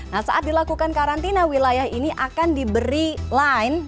nah saat dilakukan karantina wilayah ini akan diberi line